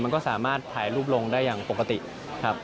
มันก็สามารถถ่ายรูปลงได้อย่างปกติครับ